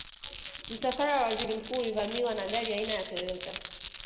msafara wa waziri mkuu ulivamiwa na gari aina ya toyota